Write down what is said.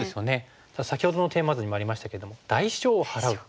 ただ先ほどのテーマ図にもありましたけども「代償を払う」っていうね。